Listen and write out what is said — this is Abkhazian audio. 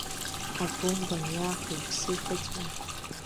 Абомба аниааха, иԥсы ихыҵуа…